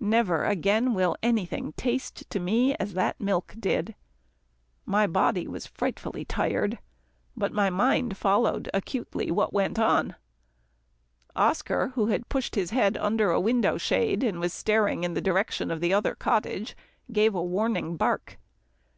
Never again will anything taste to me as that milk did. My body was frightfully tired, but my mind followed acutely what went on. Oscar, who had pushed his head under a window shade, and was staring in the direction of the other cottage, gave a warning bark.